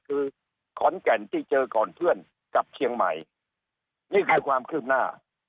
คือขอนแก่นที่เจอก่อนเพื่อนกลับเชียงใหม่นี่คือความคืบหน้า